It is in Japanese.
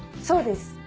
そうです。